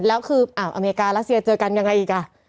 แล้วคืออเมริการัสเซียเจอกันยังไงอีกอ่ะ